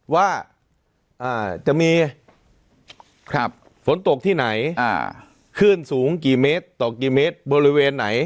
ว่าจะมีฝนตกที่ไหนคลื่นสูงกี่เมตรต่อกี่เมตรบริเวณไหน